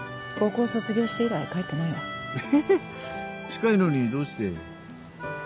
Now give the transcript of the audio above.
高校卒業して以来帰ってないわえ近いのにどうして？